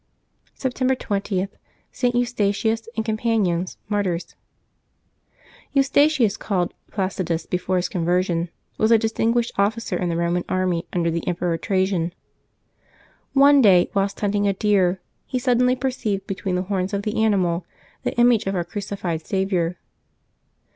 September 20.— STS. EUSTACHIUS and Compan ions, Martyrs. eusTACHius, called Placidus before his conversion, was a distinguished officer of the Eoman army under the Emperor Trajan. One day, whilst hunting a deer, he suddenly perceived between the horns of the animal the Septembeb 21] LIVES OF TEE SAINTS 319 image of our crucified Saviour.